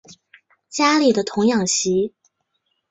家里的童养媳